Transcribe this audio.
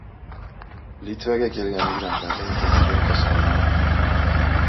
Litvaga kelgan migrantlarda yuqumli teri kasalligi aniqlandi